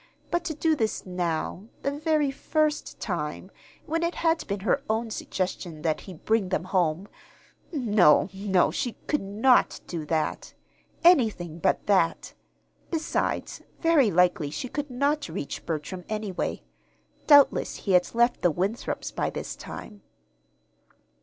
But to do this now, the very first time, when it had been her own suggestion that he "bring them home" no, no, she could not do that! Anything but that! Besides, very likely she could not reach Bertram, anyway. Doubtless he had left the Winthrops' by this time.